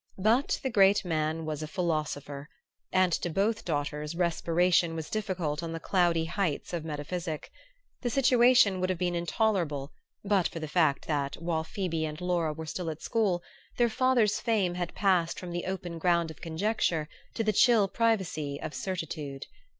But the great man was a philosopher; and to both daughters respiration was difficult on the cloudy heights of metaphysic. The situation would have been intolerable but for the fact that, while Phoebe and Laura were still at school, their father's fame had passed from the open ground of conjecture to the chill privacy of certitude.